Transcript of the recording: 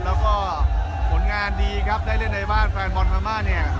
แล้วก็ผลงานดีครับได้เล่นในบ้านแฟนบอลพม่าเนี่ย